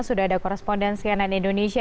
sudah ada korespondensi yang lain indonesia